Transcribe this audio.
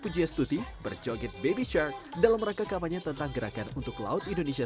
dari lautan indonesia